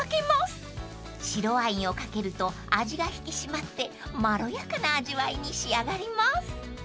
［白ワインを掛けると味が引き締まってまろやかな味わいに仕上がります］